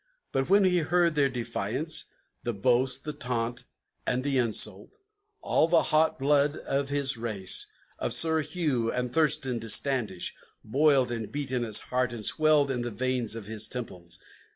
But when he heard their defiance, the boast, the taunt, and the insult, All the hot blood of his race, of Sir Hugh and of Thurston de Standish, Boiled and beat in his heart, and swelled in the veins of his temples.